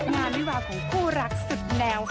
งานวิวัลของผู้รักสุดแนวค่ะ